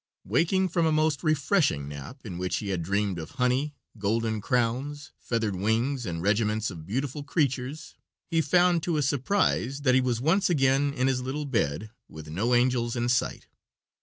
Waking from a most refreshing nap, in which he had dreamed of honey, golden crowns, feathered wings, and regiments of beautiful creatures, he found to his surprise that he was once again in his little bed, with no angels in sight.